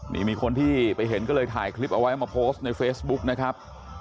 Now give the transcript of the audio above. นี่มีคนที่ไปเห็นก็เลยถ่ายคลิปเอาไว้มาโพสต์ในเฟซบุ๊กนะครับ